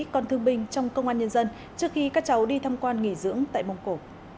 con thương binh trong công an nhân dân trước khi các cháu đi thăm quan nghỉ dưỡng tại mông cổ